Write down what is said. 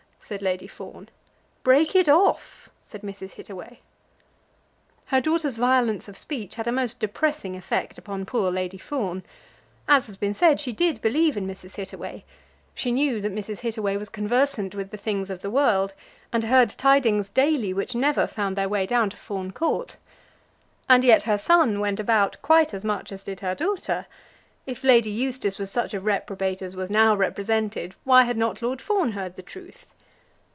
said Lady Fawn. "Break it off," said Mrs. Hittaway. Her daughter's violence of speech had a most depressing effect upon poor Lady Fawn. As has been said, she did believe in Mrs. Hittaway. She knew that Mrs. Hittaway was conversant with the things of the world, and heard tidings daily which never found their way down to Fawn Court. And yet her son went about quite as much as did her daughter. If Lady Eustace was such a reprobate as was now represented, why had not Lord Fawn heard the truth?